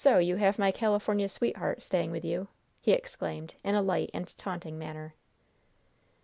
So you have my Californian sweetheart staying with you?" he exclaimed, in a light and taunting manner.